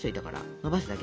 のばすだけ。